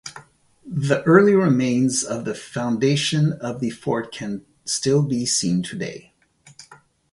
The early remains of the foundation of the fort can still be seen today.